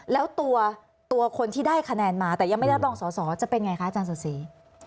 แล้วตัวคนที่ได้คะแนนมาแต่ยังไม่ได้รับรองสอสอจะเป็นไงคะอาจารย์สุดศรี